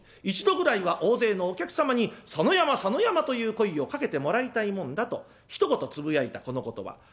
一度ぐらいは大勢のお客様に「佐野山佐野山」という声をかけてもらいたいもんだとひと言つぶやいたこの言葉。